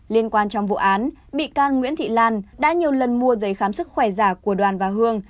liên quan trong vụ án bị can nguyễn thị lan đã nhiều lần mua giấy khám sức khỏe giả của đoàn và hương